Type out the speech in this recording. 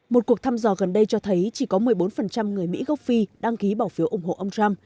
một cuộc thăm dò gần đây cho thấy chỉ có một mươi bốn người mỹ gốc phi đăng ký bảo phiếu ủng hộ ông trump